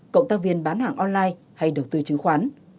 cộng tác viên bán hàng online hay đầu tư chứng khoán